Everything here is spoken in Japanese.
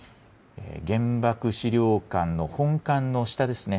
原爆資料館の本館の下ですね。